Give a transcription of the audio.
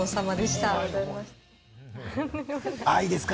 愛ですか。